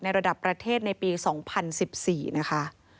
ระดับประเทศในปี๒๐๑๔นะคะ